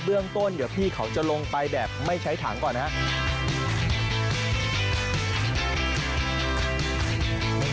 เรื่องต้นเดี๋ยวพี่เขาจะลงไปแบบไม่ใช้ถังก่อนนะครับ